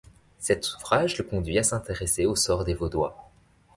Cet ouvrage le conduit à s'intéresser au sort des Vaudois.